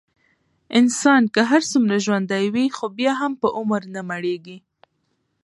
انسان که هرڅومره ژوندی وي، خو بیا هم په عمر نه مړېږي.